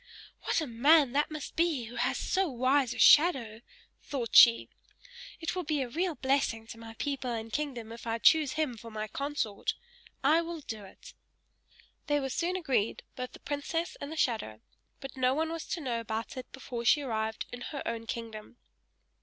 "What a man that must be who has so wise a shadow!" thought she. "It will be a real blessing to my people and kingdom if I choose him for my consort I will do it!" They were soon agreed, both the princess and the shadow; but no one was to know about it before she arrived in her own kingdom.